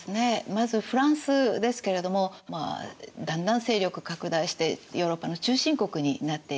まずフランスですけれどもだんだん勢力拡大してヨーロッパの中心国になっていきます。